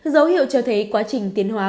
dấu hiệu cho thấy quá trình tiến hóa